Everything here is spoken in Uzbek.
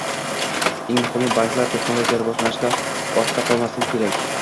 Eng muhimi, banklar texnologiya rivojlanishida ortda qolmasligi kerak